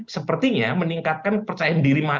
sepertinya meningkatkan percaya diri